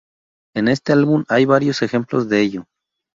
En este álbum hay varios ejemplos de ello.